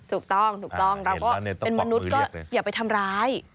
ถูกต้องถูกต้องเราก็เป็นมนุษย์ก็อย่าไปทำร้าย